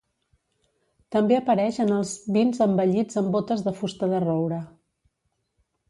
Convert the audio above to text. També apareix en els vins envellits en bótes de fusta de roure.